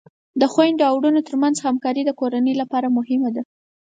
د خویندو او ورونو ترمنځ همکاری د کورنۍ لپاره مهمه ده.